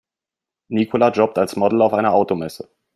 Nicola jobbt als Model auf einer Automesse.